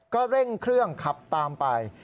ก็เร่งเครื่องขับตามไป